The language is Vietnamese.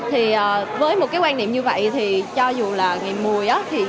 thì với một quan niệm như vậy cho dù là ngày mùi